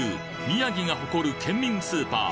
宮城が誇る県民スーパー